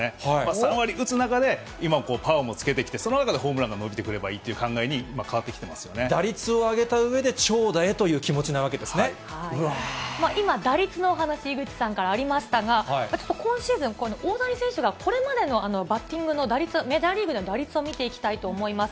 ３割打つ中で、今もパワーをつけてきて、その中でホームランが伸びてくればいいという考えに変わってきて打率を上げたうえで長打へと今、打率のお話、井口さんからありましたが、ちょっと今シーズン、大谷選手がこれまでのバッティングの打率、メジャーリーグでの打率を見ていきたいと思います。